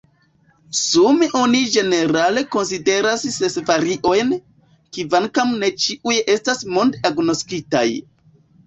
Sume oni ĝenerale konsideras ses variojn, kvankam ne ĉiuj estas monde agnoskitaj.